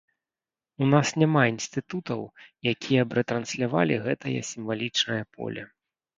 У нас няма інстытутаў, якія б рэтранслявалі гэтае сімвалічнае поле.